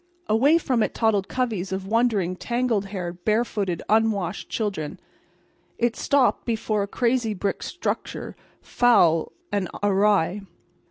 Away from it toddled coveys of wondering, tangle haired, barefooted, unwashed children. It stopped before a crazy brick structure, foul and awry.